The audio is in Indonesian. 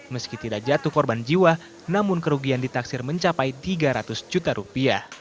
meski tidak jatuh korban jiwa namun kerugian ditaksir mencapai rp tiga ratus juta rupiah